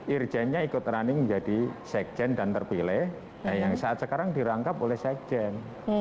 irjennya ikut running menjadi sekjen dan terpilih yang saat sekarang dirangkap oleh sekjen